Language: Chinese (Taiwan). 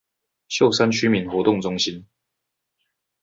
秀山區民活動中心